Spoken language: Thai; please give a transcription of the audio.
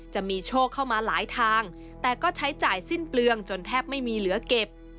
จะมีโชคเข้ามาหลายทางแต่ก็ใช้จ่ายสิ้นเปลืองจนแทบไม่มีเหลือเก็บ